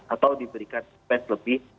atau diberikan space lebih